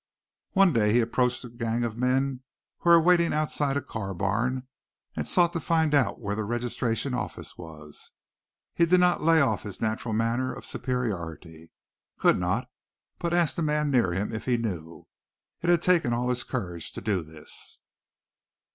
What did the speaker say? One day he approached a gang of men who were waiting outside a car barn and sought to find out where the registration office was. He did not lay off his natural manner of superiority could not, but asked a man near him if he knew. It had taken all his courage to do this.